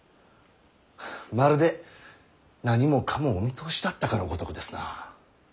まるで何もかもお見通しだったかのごとくですな。